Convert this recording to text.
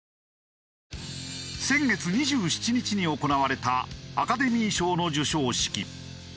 先月２７日に行われたアカデミー賞の授賞式。